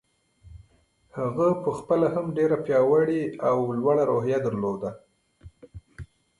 هغه په خپله هم ډېره پياوړې او لوړه روحيه درلوده.